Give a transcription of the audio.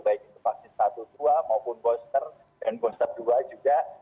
baik itu vaksin satu dua maupun booster dan booster dua juga